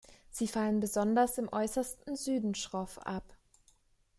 Sie fallen besonders im äußersten Süden schroff ab.